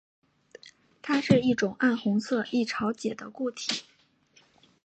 它是一种暗红色易潮解的固体。